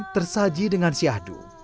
tersaji dengan si ahdu